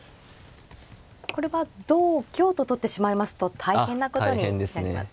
これは同香と取ってしまいますと大変なことになりますか。